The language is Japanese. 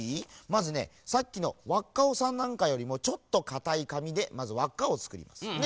まずねさっきのわっカオさんなんかよりもちょっとかたいかみでまずわっかをつくりますね。